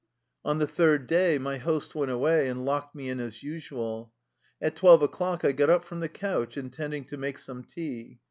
On the third day my host went away and locked me in as usual. At twelve o'clock I got up from the couch, intending to make some tea.